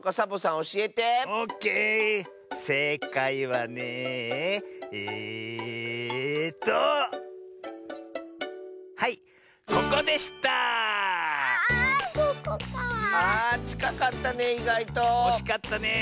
おしかったねえ。